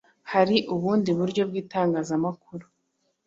hari ubundi buryo bw’itangazamakuru